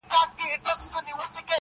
ته د انصاف تمه لا څنګه لرې؟!.